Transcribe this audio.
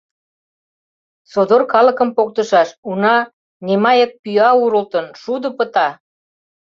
Содор калыкым поктышаш, уна Немайык пӱя урылтын, шудо пыта!..